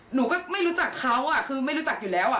หนูก็ไม่รู้จักเขาคือไม่รู้จักอยู่แล้ว